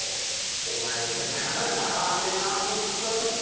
お前たち金使わねえなホントに。